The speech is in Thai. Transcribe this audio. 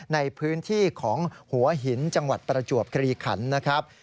ในพื้นที่ของหัวหินจังหวัดประจวบคลีขันนะครับ